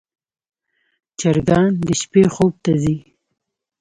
چرګان د شپې خوب ته ځي.